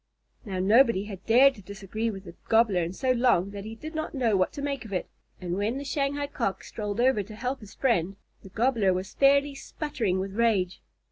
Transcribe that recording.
Now nobody had dared to disagree with the Gobbler in so long that he did not know what to make of it, and when the Shanghai Cock strolled over to help his friend, the Gobbler was fairly sputtering with rage.